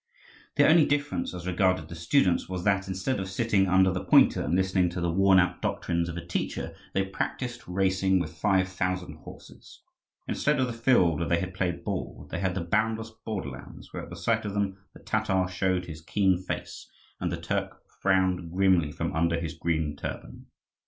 The only difference as regarded the students was that, instead of sitting under the pointer and listening to the worn out doctrines of a teacher, they practised racing with five thousand horses; instead of the field where they had played ball, they had the boundless borderlands, where at the sight of them the Tatar showed his keen face and the Turk frowned grimly from under his green turban.